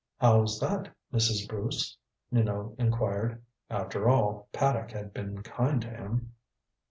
"How's that, Mrs. Bruce?" Minot inquired. After all, Paddock had been kind to him.